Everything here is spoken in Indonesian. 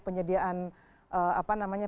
penyediaan apa namanya